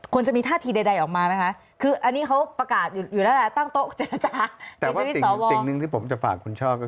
ควรจะมีท่าทีใดออกมาไหมคะ